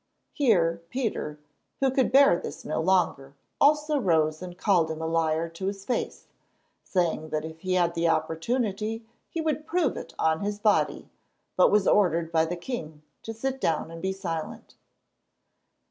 Here Peter, who could bear this no longer, also rose and called him a liar to his face, saying that if he had the opportunity he would prove it on his body, but was ordered by the king to sit down and be silent.